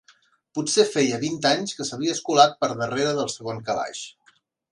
Potser feia vint anys que s'havia escolat per darrera del segon calaix.